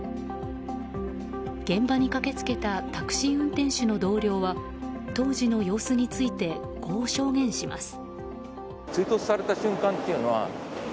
現場に駆け付けたタクシー運転手の同僚は当時の様子についてこう証言します。